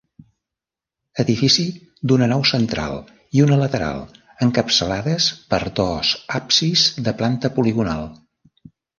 Edifici d'una nau central i una lateral encapçalades per dos absis de planta poligonal.